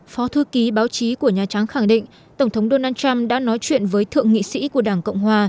phó thư ký báo chí của nhà trắng khẳng định tổng thống donald trump đã nói chuyện với thượng nghị sĩ của đảng cộng hòa